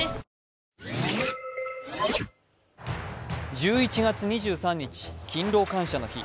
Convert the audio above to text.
１１月２３日勤労感謝の日。